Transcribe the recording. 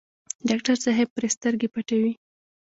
ډاکټر صاحب پرې سترګې پټوي.